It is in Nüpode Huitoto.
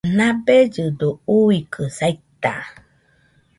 Nabellɨdo uikɨ saita